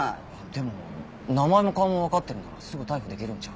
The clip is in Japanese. でも名前も顔もわかってるならすぐ逮捕できるんじゃ。